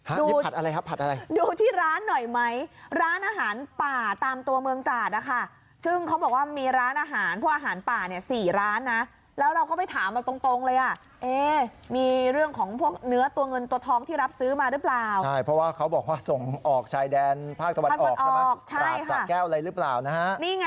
ออกชายแดนพลาดตะวัดได้ไหมสัดแก้วอะไรรึเปล่านะฮะ